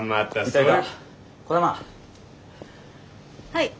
はい。